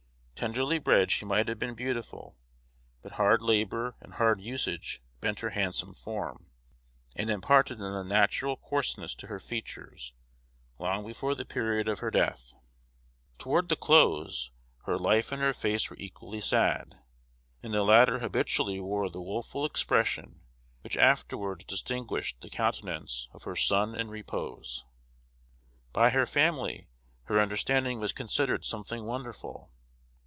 Tenderly bred she might have been beautiful; but hard labor and hard usage bent her handsome form, and imparted an unnatural coarseness to her features long before the period of her death. Toward the close, her life and her face were equally sad; and the latter habitually wore the wo ful expression which afterwards distinguished the countenance of her son in repose. By her family, her understanding was considered something wonderful.